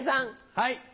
はい。